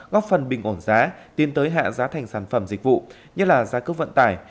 góp phần bình ổn giá tiến tới hạ giá thành sản phẩm dịch vụ như là giá cước vận tải